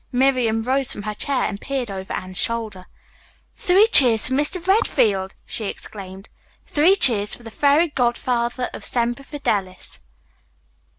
Miriam rose from her chair and peered over Anne's shoulder. "Three cheers for Mr. Redfield!" she exclaimed. Three cheers for the fairy godfather of Semper Fidelis!